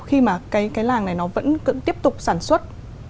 khi mà cái làng này nó vẫn tiếp tục sản xuất